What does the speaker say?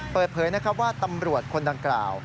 เปิดเผยว่าตำรวจคนดังกล่าว